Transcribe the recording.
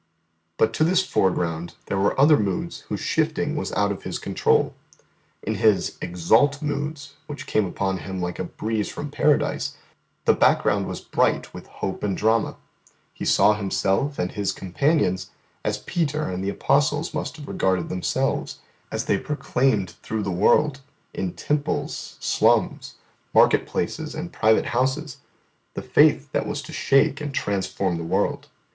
But to this foreground there were other moods whose shifting was out of his control. In his exalt moods, which came upon Him like a breeze from Paradise, the background was bright with hope and drama He saw Himself and His companions as Peter and the Apostles must have regarded themselves, as they proclaimed through the world, in temples, slums, market places and private houses, the faith that was to shake and transform the world.